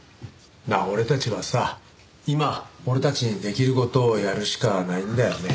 まあ俺たちはさ今俺たちにできる事をやるしかないんだよね。